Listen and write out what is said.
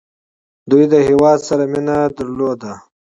دوی له هیواد سره مینه درلوده.